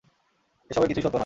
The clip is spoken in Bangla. এসবের কিছুই সত্য নয়।